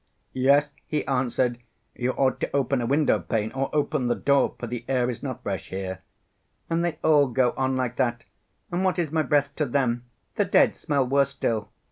'Yes,' he answered; 'you ought to open a window‐ pane or open the door, for the air is not fresh here.' And they all go on like that! And what is my breath to them? The dead smell worse still!